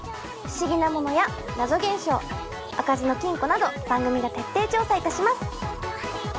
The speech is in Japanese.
不思議なものや謎現象開かずの金庫など番組が徹底調査いたします。